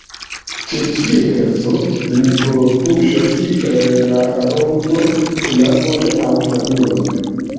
Ĉe ĉiu verso li forpuŝas el la rondo knabon aŭ knabinon.